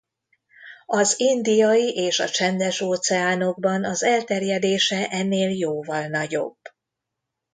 Az Indiai- és a Csendes-óceánokban az elterjedése ennél jóval nagyobb.